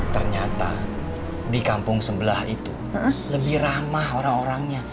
ternyata di kampung sebelah itu lebih ramah orang orangnya